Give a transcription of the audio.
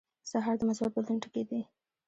سهار د مثبت بدلون ټکي دي.